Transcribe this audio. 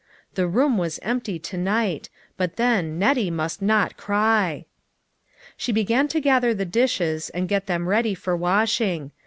The room was empty to night ; but then Nettie must not cry ! She began to gather the dishes and get them ready for washing.